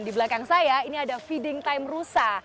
di belakang saya ini ada feeding time rusa